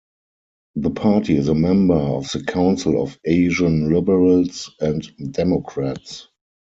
The party is a member of the Council of Asian Liberals and Democrats.